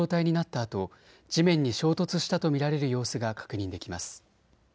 あと地面に衝突したと見られる様子が確認できます。